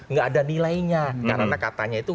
nggak ada nilainya karena katanya itu